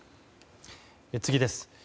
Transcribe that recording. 次です。